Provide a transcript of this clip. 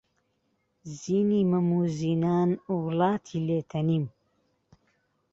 زیی مەم و زینان وڵاتی لێ تەنیم